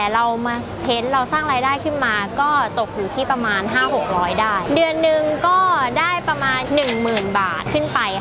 ๑หมื่นบาทขึ้นไปค่ะ